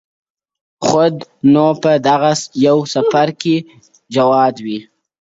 خود نو په دغه يو سـفر كي جادو.